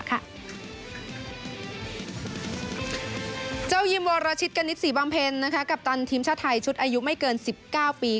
ยูมวรชิตกณิตศรีบำเพ็ญกัปตันทีมชาติไทยชุดอายุไม่เกิน๑๙ปี